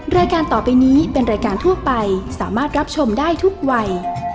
รายการต่อไปนี้เป็นรายการทั่วไปสามารถรับชมได้ทุกวัย